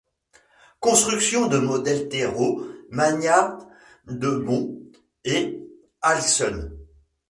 Construction de modèles Terrot, Magnat-Debon et Alcyon.